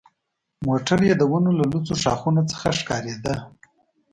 موټر یې د ونو له لوڅو ښاخونو څخه ښکارېده.